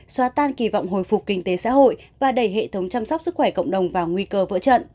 xóa tan kỳ vọng hồi phục kinh tế xã hội và đẩy hệ thống chăm sóc sức khỏe cộng đồng vào nguy cơ vỡ trận